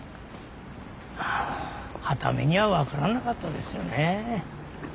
はた目には分からなかったですよね。